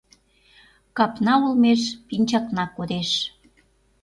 Капна олмеш пинчакна кодеш.